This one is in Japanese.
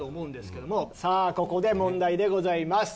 さあここで問題でございます。